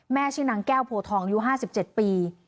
แม่ชื่อนางแก้วโพทองยูห้าสิบเจ็ดปี